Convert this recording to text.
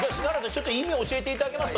ちょっと意味を教えて頂けますか？